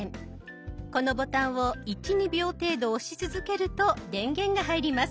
このボタンを１２秒程度押し続けると電源が入ります。